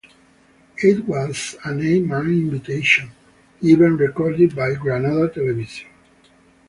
It was an eight-man invitation event recorded by Granada Television.